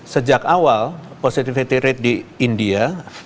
sejak awal positivity rate di india